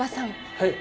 はい。